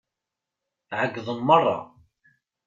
Ԑeyyḍen merra.